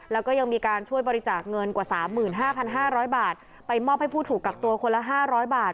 แล้วก็ยังมีการช่วยบริจาคเงินกว่า๓๕๕๐๐บาทไปมอบให้ผู้ถูกกักตัวคนละ๕๐๐บาท